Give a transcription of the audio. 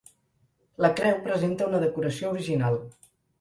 La creu presenta una decoració original.